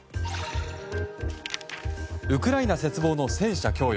ウクライナ切望の戦車供与。